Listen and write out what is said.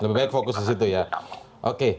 lebih baik fokus ke situ ya oke